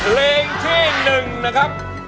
เพลงที่หนึ่งนะครับ